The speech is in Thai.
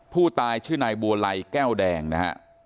ผู้ตายชื่อในบัวไล่แก้วแดงนะครับ